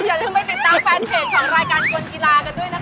อย่าลืมไปติดตามแฟนเพจของรายการคนกีฬากันด้วยนะคะ